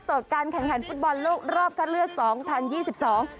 การแข่งขันฟุตบอลโลกรอบคัดเลือกสองพันยี่สิบสอง